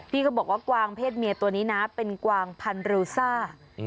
พี่ก็บอกว่ากวางเพศเมียตัวนี้นะเป็นกวางพันรูซ่า